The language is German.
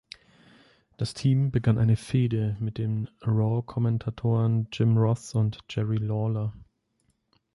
Das Team begann eine Fehde mit den Raw Kommentatoren Jim Ross und Jerry Lawler.